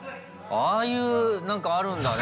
ああいうなんかあるんだね。